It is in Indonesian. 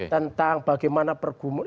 tentang bagaimana pergumul